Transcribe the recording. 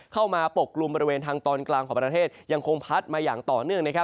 ปกกลุ่มบริเวณทางตอนกลางของประเทศยังคงพัดมาอย่างต่อเนื่อง